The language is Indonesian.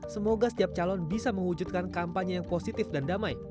semoga setiap calon bisa mewujudkan kampanye yang positif dan damai